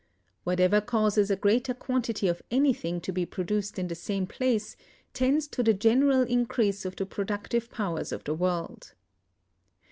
Whatever causes a greater quantity of anything to be produced in the same place tends to the general increase of the productive powers of the world.